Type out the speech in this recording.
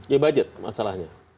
ya budget masalahnya